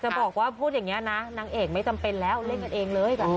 บอกว่าพูดอย่างนี้นะนางเอกไม่จำเป็นแล้วเล่นกันเองเลยแบบนี้